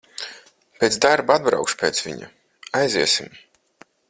Pēc darba atbraukšu pēc viņa, aiziesim.